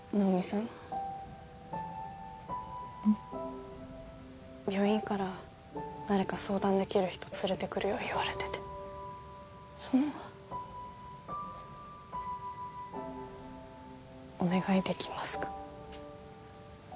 うん病院から誰か相談できる人連れてくるよう言われててそのお願いできますか？